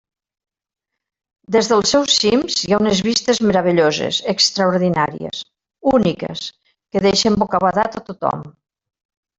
Des dels seus cims hi ha unes vistes meravelloses, extraordinàries, úniques, que deixen bocabadat a tothom.